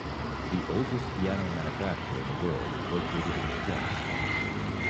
The oldest piano manufacturer in the world is located in Schwelm.